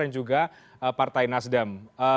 dan juga partai nasdem